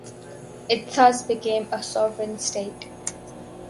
It thus became a sovereign state.